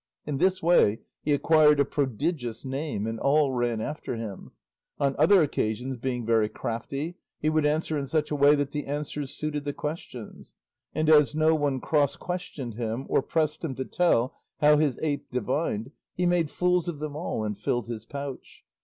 In this way he acquired a prodigious name and all ran after him; on other occasions, being very crafty, he would answer in such a way that the answers suited the questions; and as no one cross questioned him or pressed him to tell how his ape divined, he made fools of them all and filled his pouch.